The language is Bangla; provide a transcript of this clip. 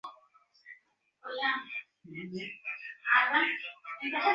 হলা মালীর আর নিষ্কৃতি নেই।